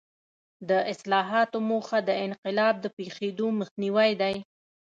د اصلاحاتو موخه د انقلاب د پېښېدو مخنیوی دی.